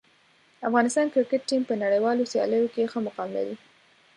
افغانستان کرکټ ټیم په نړیوالو سیالیو کې ښه مقام لري.